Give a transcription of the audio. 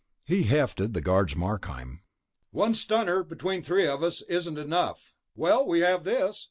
He hefted the guard's Markheim. "One stunner between three of us isn't enough." "Well, we have this."